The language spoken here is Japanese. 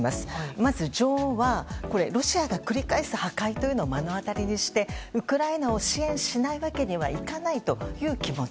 まず情は、ロシアが繰り返す破壊を目の当たりにしてウクライナを支援しないわけにはいかないという気持ち。